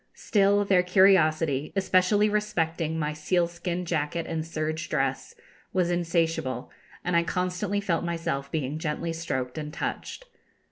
Still, their curiosity, especially respecting my sealskin jacket and serge dress, was insatiable, and I constantly felt myself being gently stroked and touched.